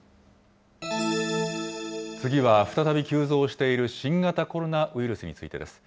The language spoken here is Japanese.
次は再び急増している新型コロナウイルスについてです。